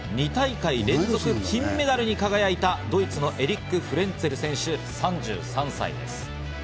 ２大会連続で金メダルに輝いたドイツのエリック・フレンツェル選手、３３歳です。